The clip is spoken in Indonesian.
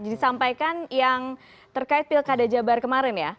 jadi sampaikan yang terkait pilkada jabar kemarin ya